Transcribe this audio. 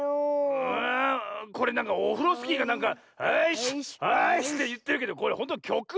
ああこれなんかオフロスキーがなんか「あいしっあいしっ」っていってるけどこれほんときょく？